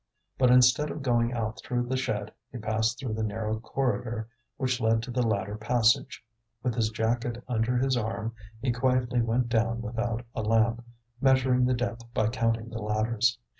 But instead of going out through the shed he passed through the narrow corridor which led to the ladder passage. With his jacket under his arm he quietly went down without a lamp, measuring the depth by counting the ladders.